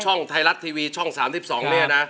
ไทยรัฐทีวีช่อง๓๒เนี่ยนะ